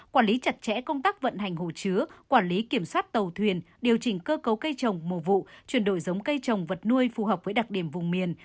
quản lý chặt chẽ công tác vận hành hồ chứa quản lý kiểm soát tàu thuyền điều chỉnh cơ cấu cây trồng mùa vụ chuyển đổi giống cây trồng vật nuôi phù hợp với đặc điểm vùng miền